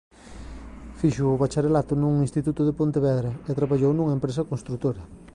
Fixo o bacharelato nun instituto de Pontevedra e traballou nunha empresa construtora.